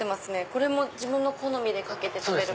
これも好みでかけて食べる？